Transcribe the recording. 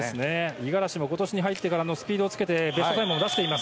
五十嵐も今年に入ってからスピードをつけてベストタイムを出しています。